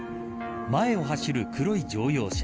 前を走る黒い乗用車。